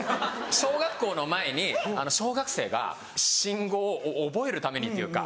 小学校の前に小学生が信号を覚えるためにっていうか。